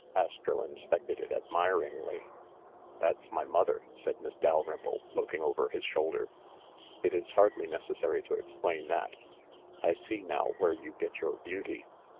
Astro inspected it admiringly. 152 THE MASTER OF MYSTERIES "That's my mother," said Miss Dalrymple, looking over his shoulder. "It is hardly necessary to explain that. I see now where you get your beauty."